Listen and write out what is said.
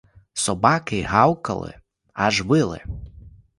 Собаки гавкали, аж вили.